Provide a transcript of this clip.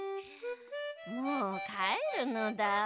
もうかえるのだ。